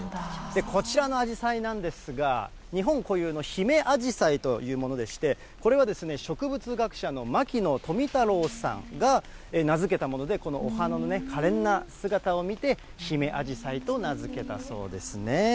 こちらのあじさいなんですが、日本固有の姫あじさいというものでして、これは植物学者の牧野富太郎さんが名付けたもので、このお花のかれんな姿を見て、姫あじさいと名付けたそうですね。